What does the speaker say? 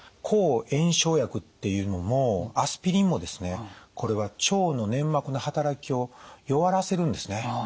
抗炎症薬っていうのもアスピリンもですねこれは腸の粘膜の働きを弱らせるんですね。